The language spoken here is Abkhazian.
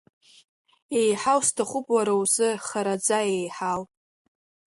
Еиҳау сҭахуп уара узы, хараӡа еиҳау…